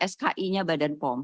ski nya badan pom